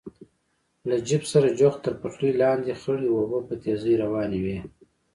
له جېپ سره جوخت تر پټلۍ لاندې خړې اوبه په تېزۍ روانې وې.